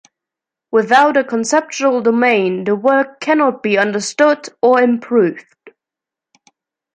Without a conceptual domain, the work cannot be understood or improved.